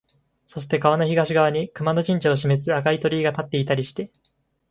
そして川の東側に熊野神社を示す赤い鳥居が立っていたりして、